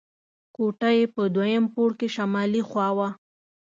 کوټه یې په دویم پوړ کې شمالي خوا وه.